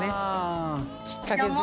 きっかけ作りね。